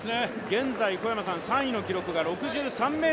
現在３位の記録が６３ｍ２２ｃｍ。